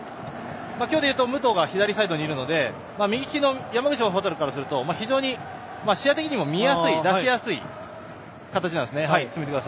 今日でいうと武藤が左サイドにいるので山口蛍とすると非常に試合的にも見やすい出しやすい形なんです。